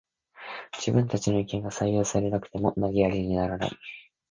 自分たちの意見が採用されなくても投げやりにならない